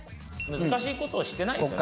難しいことをしてないですよね。